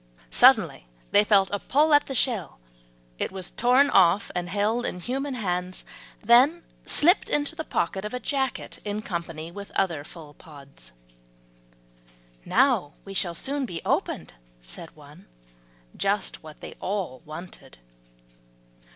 Suddenly they felt a pull at the shell; it was torn off, and held in human hands, then slipped into the pocket of a jacket in company with other full pods. "Now we shall soon be opened," said one, just what they all wanted.